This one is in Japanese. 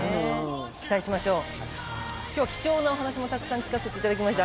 今日は貴重なお話もたくさん聞かせていただきました。